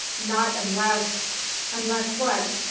"Not unless...." "Unless what?"